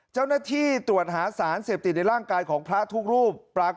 เจ้าหน้าที่ตรวจหาสารเสพติดในร่างกายของพระทุกรูปปรากฏ